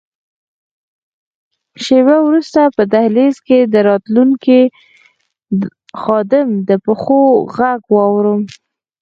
شیبه وروسته په دهلېز کې د راتلونکي خادم د پښو ږغ واورم.